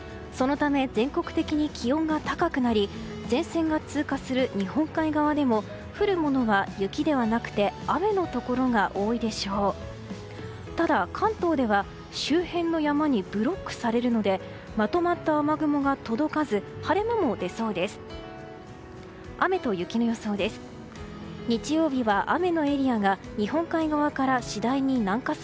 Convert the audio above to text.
ただ、関東では周辺の山にブロックされるのでまとまった雨雲が届かず晴れ間も出そうです。